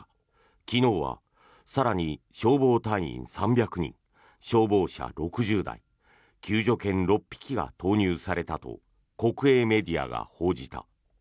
昨日は更に消防隊員３００人、消防車６０台救助犬６匹が投入されたと国営メディアが報じた。